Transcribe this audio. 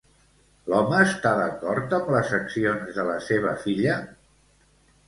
L'home està d'acord amb les accions de la seva filla?